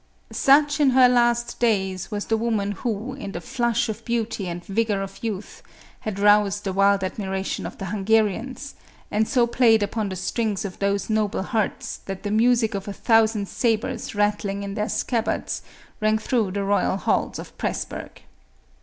Such, in her last days, was the woman who, in the flush of beauty and vigor of youth, had roused the wild admiration of the Hunga rians, and so played upon the strings of those noble hearts that the music of a thousand sabres rattling in their scabbards, rang through the royal halls of Presburg.